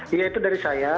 iya itu dari saya